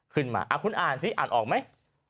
ขึ้นมาคุณอ่านซิอ่านออกไหม